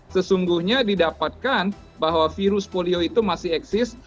sesungguhnya didapatkan bahwa virus polio itu masih eksis